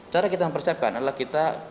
cara kita mempersiapkan adalah kita